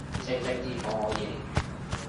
星星之火可以燎原